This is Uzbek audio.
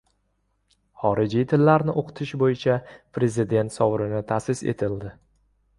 Xorijiy tillarni o‘qitish bo‘yicha Prezident sovrini ta’sis etiladi